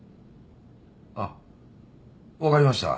あっ分かりました。